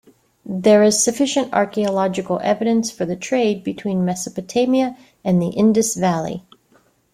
There is sufficient archaeological evidence for the trade between Mesopotamia and the Indus Valley.